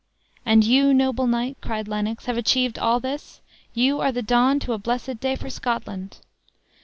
"And you, noble knight," cried Lennox, "have achieved all this? You are the dawn to a blessed day for Scotland!"